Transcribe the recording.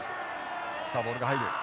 さあボールが入る。